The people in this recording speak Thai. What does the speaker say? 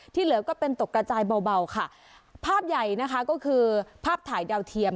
เหลือก็เป็นตกกระจายเบาค่ะภาพใหญ่นะคะก็คือภาพถ่ายดาวเทียม